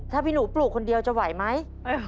ถ้าพี่หนูปลูกคนเดียวจะไหวไหม